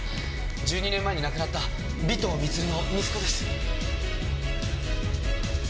１２年前に亡くなった尾藤充の息子です。